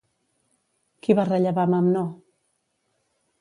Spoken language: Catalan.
Qui va rellevar Memnó?